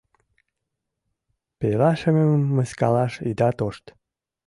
— Пелашемым мыскылаш ида тошт!